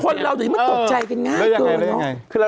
คนเราจะได้มันตกใจกันง่ายเกินเนอะ